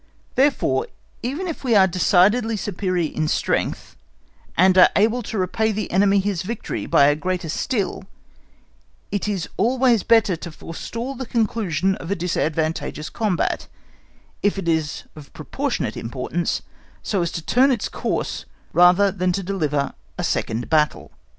Therefore, even if we are decidedly superior in strength, and are able to repay the enemy his victory by a greater still, it is always better to forestall the conclusion of a disadvantageous combat, if it is of proportionate importance, so as to turn its course rather than to deliver a second battle.